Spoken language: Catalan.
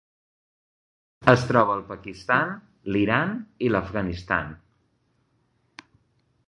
Es troba al Pakistan, l'Iran i l'Afganistan.